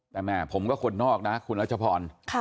แต่แม่ผมก็คนนอกนะคุณรัชพร